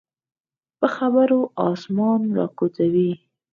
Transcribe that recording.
په خبرو اسمان راکوزوي.